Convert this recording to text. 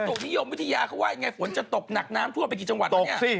ตุนิยมวิทยาเขาว่ายังไงฝนจะตกหนักน้ำท่วมไปกี่จังหวัดแล้วเนี่ย